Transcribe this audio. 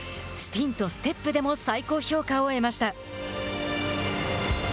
スピンとステップでも最高評価を得ました。